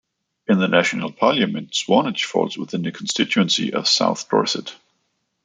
In the National Parliament, Swanage falls within the constituency of South Dorset.